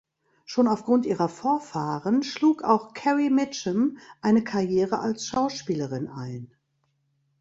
Schon aufgrund ihrer Vorfahren schlug auch Carrie Mitchum eine Karriere als Schauspielerin ein.